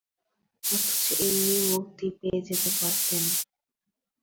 অথচ এমনিই মুক্তি পেয়ে যেতে পারতেন।